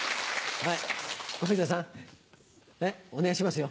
はい。